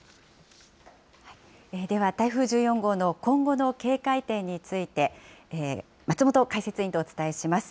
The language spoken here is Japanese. では台風１４号の今後の警戒点について、松本解説委員とお伝えします。